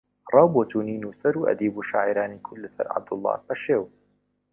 ڕاو بۆچوونی نووسەر و ئەدیب و شاعیرانی کورد لە سەر عەبدوڵڵا پەشێو